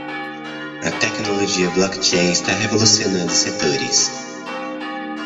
A tecnologia blockchain está revolucionando setores.